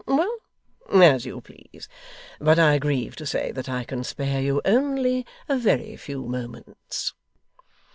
Well, as you please. But I grieve to say that I can spare you only a very few moments.